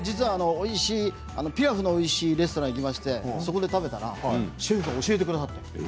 ピラフのおいしいレストランに行きまして、そこで食べたらシェフが教えてくださって。